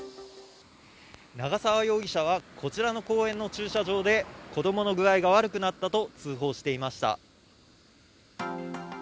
長沢容疑者はこちらの公園の駐車場で、子どもの具合が悪くなったと通報していました。